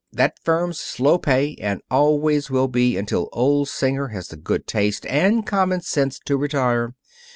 That firm's slow pay, and always will be until old Singer has the good taste and common sense to retire.